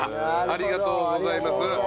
ありがとうございます。